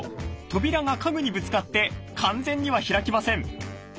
扉が家具にぶつかって完全には開きません。